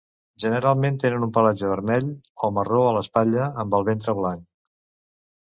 Generalment tenen un pelatge vermell o marró a l'espatlla, amb el ventre blanc.